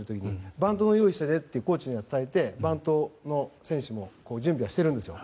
バントの用意をしてねってコーチには伝えておいて準備はしているんですよ。